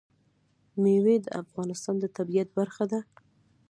مېوې د افغانستان د طبیعت برخه ده.